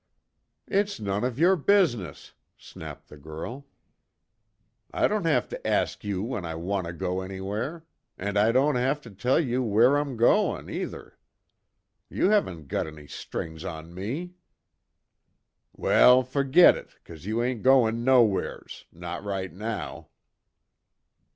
"It's none of your business!" snapped the girl, "I don't have to ask you when I want to go anywhere and I don't have to tell you where I'm goin', either! You haven't got any strings on me!" "Well fergit it, 'cause you ain't goin' nowhere's not right now."